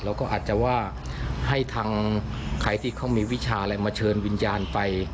เราก็อาจจะว่าให้ทางใครที่เขามีวิชาอะไรมาเชิญวิญญาณไป